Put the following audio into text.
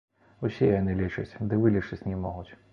Усе яны лечаць, ды вылечыць не могуць.